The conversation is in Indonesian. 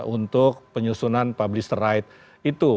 untuk penyusunan publish right itu